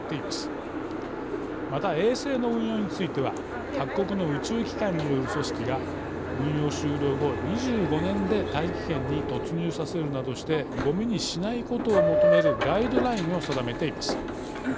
また衛星の運用については各国の宇宙機関による組織が運用終了後２５年で大気圏に突入させるなどしてごみにしないことを求めるガイドラインを定めています。